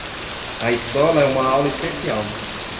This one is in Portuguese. A escola é uma aula especial